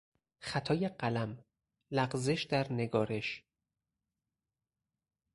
خطای قلم، لغزش در نگارش